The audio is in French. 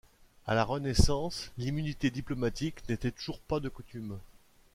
À la Renaissance, l'immunité diplomatique n'était toujours pas de coutume.